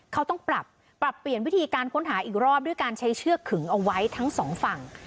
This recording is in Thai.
เขาต้องปรับปรับเปลี่ยนวิธีการค้นหาอีกรอบด้วยการใช้เชือกขึงเอาไว้ทั้งสองฝั่ง